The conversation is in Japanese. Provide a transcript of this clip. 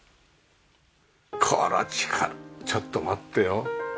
このちょっと待ってよ。